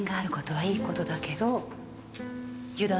はい